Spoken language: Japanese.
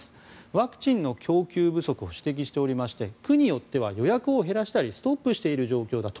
ワクチンの供給不足を指摘しておりまして区によっては予約を減らしたりストップしている状況だと。